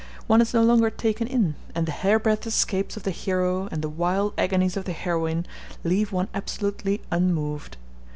One is no longer taken in, and the hairbreadth escapes of the hero and the wild agonies of the heroine leave one absolutely unmoved.